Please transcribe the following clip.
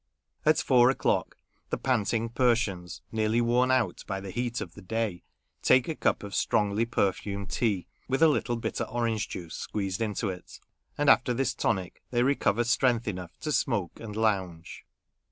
At four o'clock, the panting Persians, nearly worn out by the heat of the day, take a cup of strongly perfumed tea, with a little bitter orange juice squeezed into it ; and after this tonic they recover strength enough to smoke and lounge.